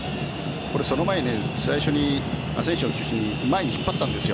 その前に最初にアセンシオ中心に前に引っ張ったんですよ。